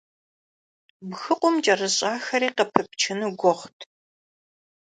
Бгыкъум кӀэрыщӀахэри къыпыпчыну гугъут.